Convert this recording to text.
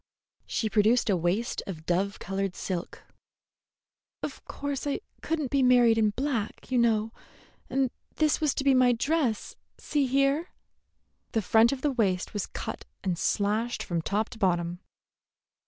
She produced a waist of dove colored silk. "Of course I could n't be married in black, you know, and this was to be my dress. See here." The front of the waist was cut and slashed from top to bottom.